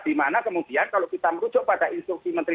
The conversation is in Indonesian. di mana kemudian kalau kita merujuk pada instruksi menteri